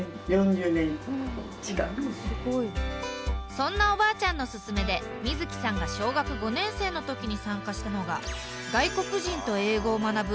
そんなおばあちゃんのすすめで瑞樹さんが小学５年生の時に参加したのが外国人と英語を学ぶ